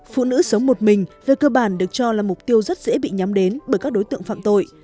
phụ nữ sống một mình về cơ bản được cho là mục tiêu rất dễ bị nhắm đến bởi các đối tượng phạm tội